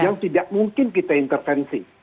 yang tidak mungkin kita intervensi